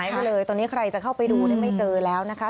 มาเลยตอนนี้ใครจะเข้าไปดูไม่เจอแล้วนะคะ